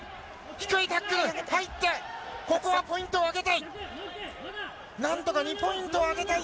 低いタックル、入ってここはポイントを上げたい。